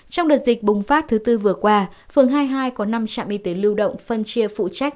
trong đợt dịch bùng phát thứ tư vừa qua phường hai mươi hai có năm trạm y tế lưu động phân chia phụ trách